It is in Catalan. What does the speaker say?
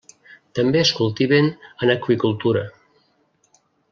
També es cultiven en aqüicultura.